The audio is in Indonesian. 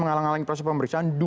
mengalami proses pemeriksaan